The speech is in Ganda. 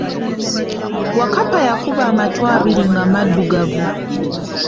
Wakkapa yakuba amattu abiri nga maddugavu.